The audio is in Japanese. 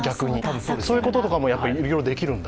そういうこととかもいろいろできるんだ。